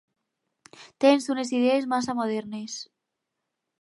Tens unes idees massa modernes.